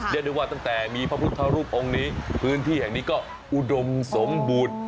เรียกได้ว่าตั้งแต่มีพระพุทธรูปองค์นี้พื้นที่แห่งนี้ก็อุดมสมบูรณ์